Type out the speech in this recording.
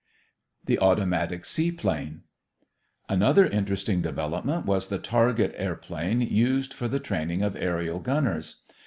THE AUTOMATIC SEAPLANE Another interesting development was the target airplane used for the training of aërial gunners.